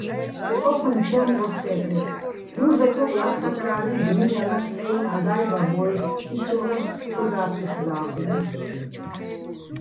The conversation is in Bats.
ოჴუჲნი ცომ ღოსხე́თერ, გურ დაჩოკ ლაწხაკრა́ლე, გმინალაშ, ყეჲნი აგა́ჲ, ბაბო́ჲ, თიშჩო́ღეშ ქოდა́ცუშ და́ხინი̆.